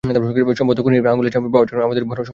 সম্ভবত খুনির আঙুলের ছাপ পাওয়ার আমাদের বড় সম্ভাবনা আছে।